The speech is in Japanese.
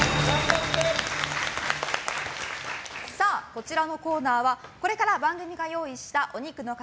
こちらのコーナーはこれから番組が用意したお肉の塊